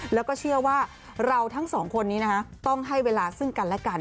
แล้วก็เชื่อว่าเราทั้งสองคนนี้ต้องให้เวลาซึ่งกันและกัน